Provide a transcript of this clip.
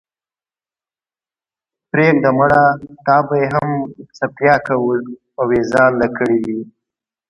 پرېږده مړه په تا به ئې هم څپياكه اوېزانده كړې وي۔